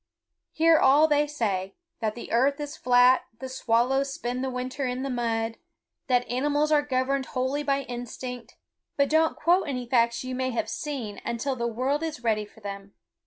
Hear all they say, that the earth is flat, that swallows spend the winter in the mud, that animals are governed wholly by instinct, but don't quote any facts you may have seen until the world is ready for them.